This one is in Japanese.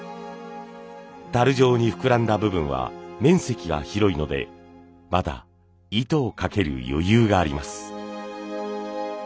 たる状に膨らんだ部分は面積が広いのでまだ糸をかける余裕があります。